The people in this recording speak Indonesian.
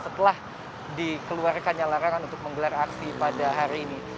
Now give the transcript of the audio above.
setelah dikeluarkannya larangan untuk menggelar aksi pada hari ini